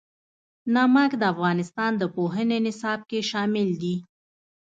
نمک د افغانستان د پوهنې نصاب کې شامل دي.